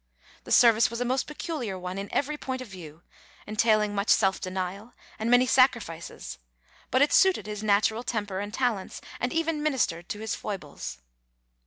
The service was a most peculiar one in every point of view, entailing much self denial and many sacrifices, but it suited his natural temper and talents, and even ministered to his foibles.